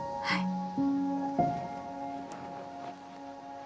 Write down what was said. はい。